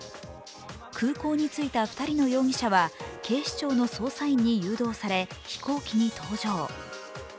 空港に着いた２人の容疑者は警視庁の捜査員に誘導され飛行機に搭乗。